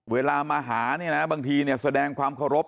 เวลามาหาเนี่ยนะบางทีเนี่ยเสด็งความคารพ